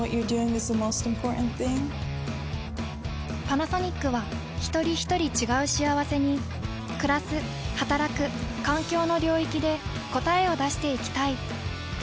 パナソニックはひとりひとり違う幸せにくらすはたらく環境の領域で答えを出していきたい。